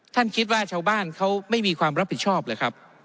คิดว่าชาวบ้านเขาไม่มีความรับผิดชอบหรือครับ